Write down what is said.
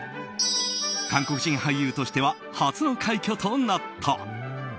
韓国人俳優としては初の快挙となった。